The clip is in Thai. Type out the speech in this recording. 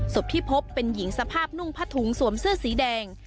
ศพที่พบเป็นหญิงสภาพนุ่งผ้าถุงสวมเสื้อสีแดง